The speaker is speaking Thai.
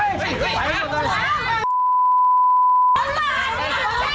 นี่นี่นี่นี่นี่นี่นี่นี่นี่นี่